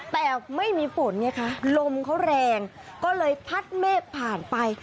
แต่ไม่มีฝนไงคะลมเขาแรงก็เลยพัดเมฆผ่านไป